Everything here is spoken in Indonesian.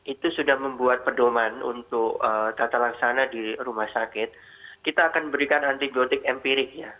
itu sudah membuat pedoman untuk tata laksana di rumah sakit kita akan berikan antibiotik empirik ya